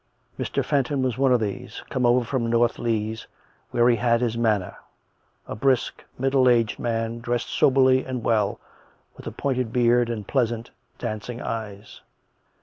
Mr. Fenton was one of these, come over from North Lees, where he had his manor, a brisk, middle aged man, dressed soberly and well, with a pointed beard and pleasant, dancing eyes.